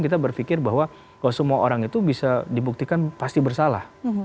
kita berpikir bahwa semua orang itu bisa dibuktikan pasti bersalah